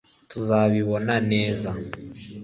Tuzabibona neza